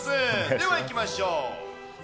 ではいきましょう。